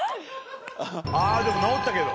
ああでも治ったけど。